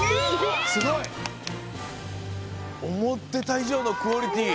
すごい！おもってたいじょうのクオリティー。